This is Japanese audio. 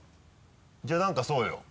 じゃあ何かそうよ。